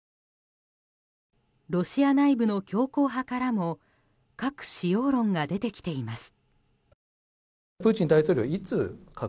ロシア内部の強硬派からも核使用論が出てきています。